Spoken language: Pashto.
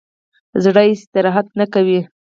زړه هیڅ استراحت نه کوي.